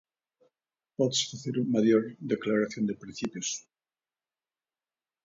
¿Pódese facer maior declaración de principios?